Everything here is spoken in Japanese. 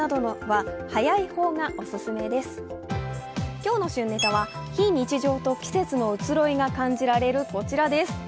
今日の旬ネタは非日常と季節の移ろいが感じられるこちらです。